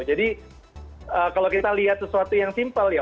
jadi kalau kita lihat sesuatu yang simpel ya